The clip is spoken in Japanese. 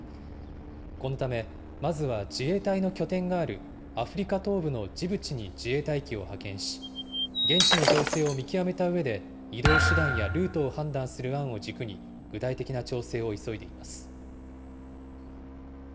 このためまずは、自衛隊の拠点があるアフリカ東部のジブチに自衛隊機を派遣し、現地の情勢を見極めたうえで、移動手段やルートを判断する案を軸に、具体的な調整を急いでいます。